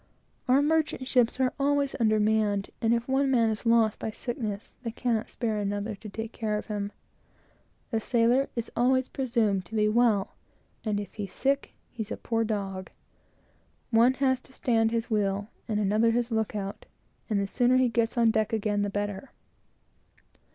Our merchant ships are always under manned, and if one man is lost by sickness, they cannot spare another to take care of him. A sailor is always presumed to be well, and if he's sick, he's a poor dog. One has to stand his wheel, and another his lookout, and the sooner he gets on deck again, the better.